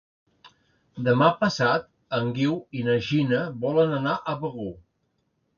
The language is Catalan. Demà passat en Guiu i na Gina volen anar a Begur.